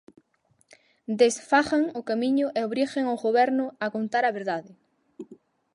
Desfagan o camiño e obriguen o Goberno a contar a verdade.